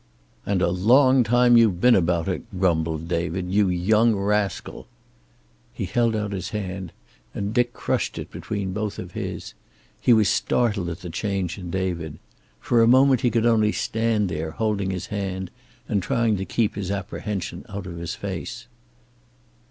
"And a long time you've been about it," grumbled David. "You young rascal!" He held out his hand, and Dick crushed it between both of his. He was startled at the change in David. For a moment he could only stand there, holding his hand, and trying to keep his apprehension out of his face.